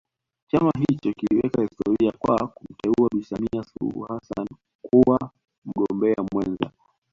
Chama hicho kiliweka historia kwa kumteua Bi Samia Suluhu Hassani kuwa mgombea mwenza